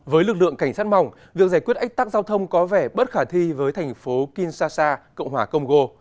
với lực lượng cảnh sát mỏng việc giải quyết ách tắc giao thông có vẻ bất khả thi với thành phố kinshasa cộng hòa congo